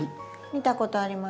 見たことあります。